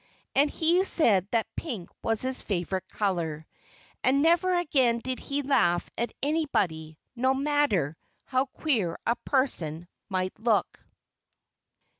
And he said that pink was his favorite color. And never again did he laugh at anybody, no matter how queer a person might look.